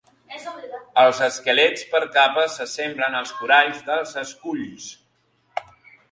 Els esquelets per capes s'assemblen als coralls dels esculls.